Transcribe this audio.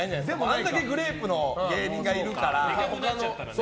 あれだけブレークの芸人がいるから。